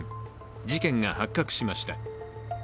事件が発覚しました。